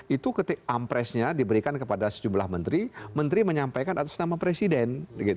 itu ketika ampresnya diberikan kepada sejumlah menteri menteri menyampaikan atas nama presiden